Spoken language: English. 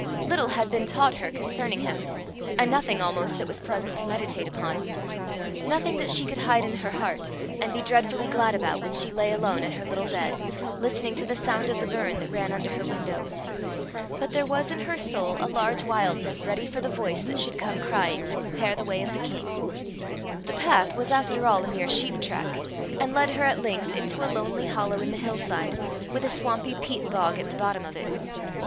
Little had been taught her concerning him, and nothing almost that was pleasant to meditate upon nothing that she could hide in her heart, and be dreadfully glad about when she lay alone in her little bed, listening to the sound of the burn that ran under her window. But there was in her soul a large wilderness ready for the voice that should come crying to prepare the way of the king. The path was after all a mere sheep track, and led her at length into a lonely hollow in the hill side, with a swampy peat bog at the bottom of it.